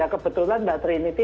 kebetulan mbak trinity